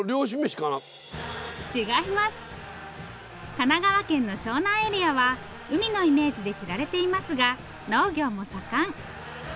神奈川県の湘南エリアは海のイメージで知られていますが農業も盛ん。